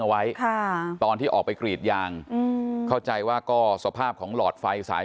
เอาไว้ค่ะตอนที่ออกไปกรีดยางเข้าใจว่าก็สภาพของหลอดไฟสาย